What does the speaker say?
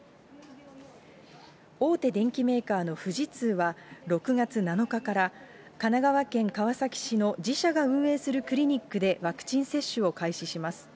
大手電機メーカーの富士通は６月７日から神奈川県川崎市の自社が運営するクリニックでワクチン接種を開始します。